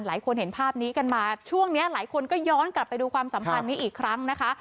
เห็นภาพนี้กันมาช่วงนี้หลายคนก็ย้อนกลับไปดูความสัมพันธ์นี้อีกครั้งนะคะ